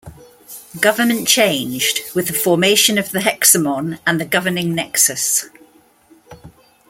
Government changed, with the formation of the Hexamon and the governing Nexus.